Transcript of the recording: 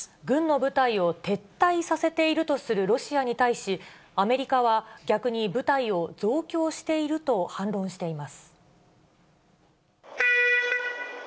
軍の部隊を撤退させているとするロシアに対し、アメリカは逆に部隊を増強していると反論しています。